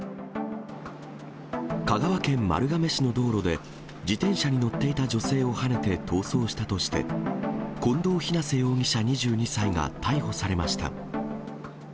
香川県丸亀市の道路で、自転車に乗っていた女性をはねて逃走したとして、近藤雛瀬容疑者２２歳が逮捕されました。